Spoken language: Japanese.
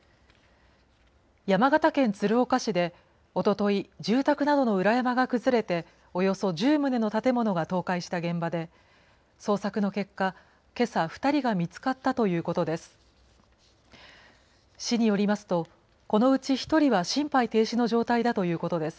山形県鶴岡市でおととい、住宅などの裏山が崩れて、およそ１０棟の建物が倒壊した現場で、捜索の結果、けさ、２人が見つかったということです。